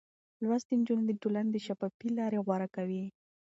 لوستې نجونې د ټولنې شفافې لارې غوره کوي.